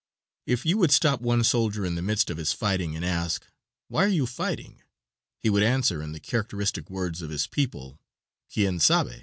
If you would stop one soldier in the midst of his fighting and ask: "Why are you fighting?" he would answer in the characteristic words of his people, "Quien sabe?"